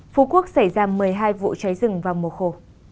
phú quốc xảy ra một mươi hai vụ cháy rừng vào mùa khô